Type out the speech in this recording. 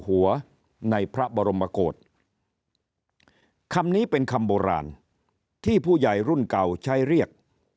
หัวในพระบรมกฏคำนี้เป็นคำโบราณที่ผู้ใหญ่รุ่นเก่าใช้เรียก